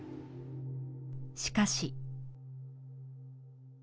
しかし。